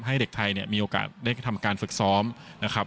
ให้เด็กไทยเนี่ยมีโอกาสได้ทำการฝึกซ้อมนะครับ